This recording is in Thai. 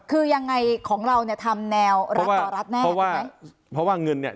คือยังไงของเราเนี่ยทำแนวรัฐต่อรัฐแน่ว่าไหมเพราะว่าเงินเนี่ย